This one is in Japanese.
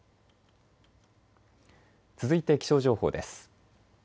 続いて気象情報です。